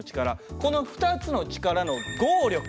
この２つの力の合力。